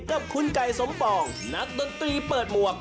กับคุณไก่สมปองนักดนตรีเปิดหมวก